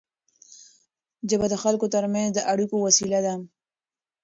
ژبه د خلکو ترمنځ د اړیکو وسیله ده.